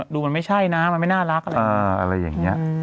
ดูมันไม่ใช่นะมันไม่น่ารักอะไรอย่างนี้